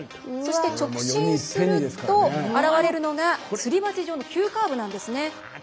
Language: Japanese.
そして直進すると現れるのがすり鉢状の急カーブなんですね。